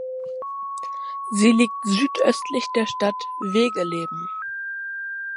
Sie liegt südöstlich der Stadt Wegeleben.